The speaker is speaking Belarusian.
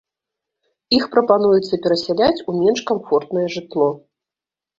Іх прапануецца перасяляць у менш камфортнае жытло.